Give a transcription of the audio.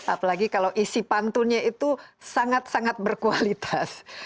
apalagi kalau isi pantunnya itu sangat sangat berkualitas